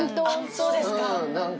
そうですか。